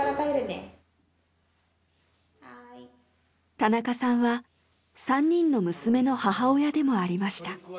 田中さんは３人の娘の母親でもありました。